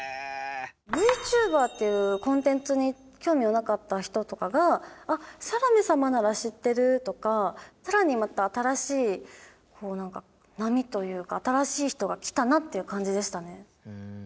ＶＴｕｂｅｒっていうコンテンツに興味のなかった人とかが「あっサロメ様なら知ってる」とか更にまた新しい波というか新しい人が来たなっていう感じでしたね。